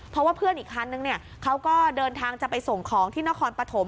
เพราะว่าเพื่อนอีกคันนึงเขาก็เดินทางจะไปส่งของที่นครปฐม